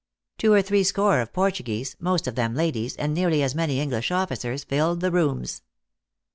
Two or three score of Portuguese, most of them ladies, and nearly as many English officers filled the rooms.